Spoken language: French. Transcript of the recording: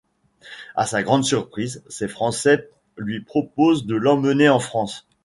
A sa grande surprise, ces français lui proposent de l’emmener en France.